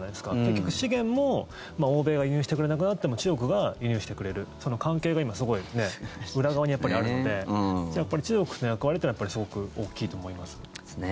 結局、資源も欧米が輸入してくれなくなっても中国が輸入してくれるその関係が今裏側にやっぱりあるのでそれは中国の役割というのはすごく大きいと思います。